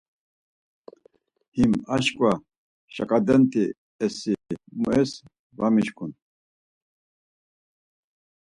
Him aşǩva şaǩadenti esi mu es va mişǩun.